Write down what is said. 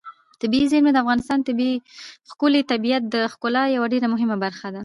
طبیعي زیرمې د افغانستان د ښكلي طبیعت د ښکلا یوه ډېره مهمه برخه ده.